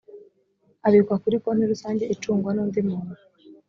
abikwa kuri konti rusange icungwa n’ undi muntu